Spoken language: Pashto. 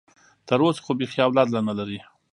تر اوسه خو بيخي اولاد لا نه لري.